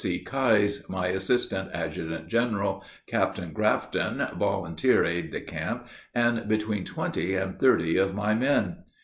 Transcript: C. Kise, my assistant adjutant general, Captain Grafton, volunteer aide de camp, and between twenty and thirty of my men.